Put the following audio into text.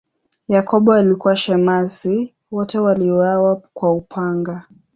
Yakobo alikuwa shemasi, wote waliuawa kwa upanga.